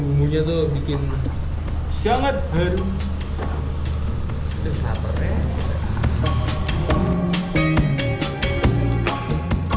ini bumbunya tuh bikin sangat harum